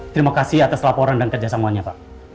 terima kasih atas laporan dan kerjasamanya pak